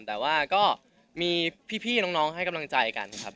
แต่ว่าก็มีพี่น้องให้กำลังใจกันครับ